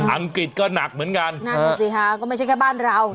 อังกฤษก็หนักเหมือนกันนั่นน่ะสิค่ะก็ไม่ใช่แค่บ้านเรา